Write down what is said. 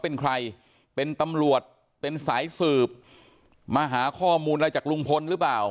เป็นใครเป็นตำรวจเป็นสายสืบมาหาข้อมูลอะไรจากลุงพลหรือเปล่า